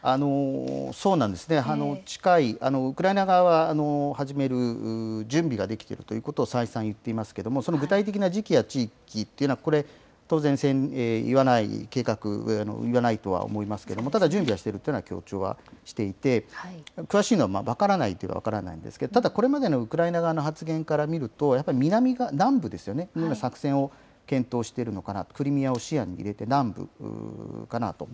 そうなんですね、近い、ウクライナ側は、始める準備ができてるということを再三言っていますけれども、その具体的な時期や地域というのは、これ、当然言わない計画、言わないとは思いますけれども、ただ、準備はしてるというのは強調していて、詳しいのは分からないと言えば分からないんですけど、ただこれまでのウクライナ側の発言から見ると、やっぱり南が、南部ですよね、作戦を検討しているのかなと、クリミアを視野に入れて、南部かなと。